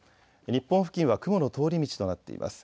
日本付近は雲の通り道となっています。